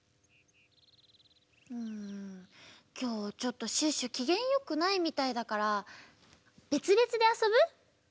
うんきょうちょっとシュッシュきげんよくないみたいだからべつべつであそぶ？